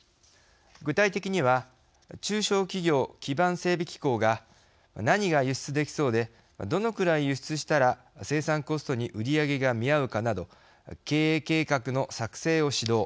具体的には中小企業基盤整備機構が何が輸出できそうでどのくらい輸出したら生産コストに売り上げが見合うかなど経営計画の作成を指導。